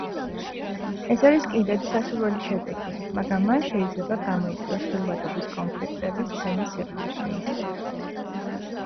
ეს არის კიდეც სასურველი შედეგი, მაგრამ მან შეიძლება გამოიწვიოს ხილვადობის კონფლიქტები სცენის სიღრმეში.